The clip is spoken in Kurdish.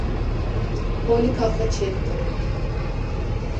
holika xwe çê dikirin